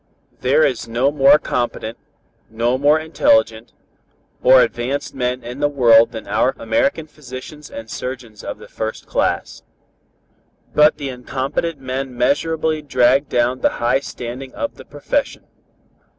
There is no more competent, no more intelligent or advanced men in the world than our American physicians and surgeons of the first class. "But the incompetent men measurably drag down the high standing of the profession.